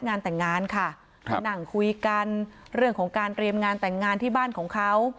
ค่ะนั่งคุยกันเรื่องของการเตรียมงานแต่งงานที่บ้านของเขา